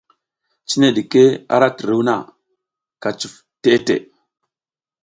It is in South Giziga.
Cine ɗike a ra tiruw na, ka cuf teʼe teʼe.